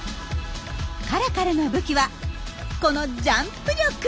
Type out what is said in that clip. カラカルの武器はこのジャンプ力！